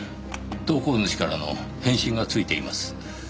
投稿主からの返信がついています。